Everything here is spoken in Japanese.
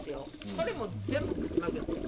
それも全部ぶちまけて。